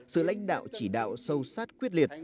sự lãnh đạo chỉ đạo sâu sát quyết liệt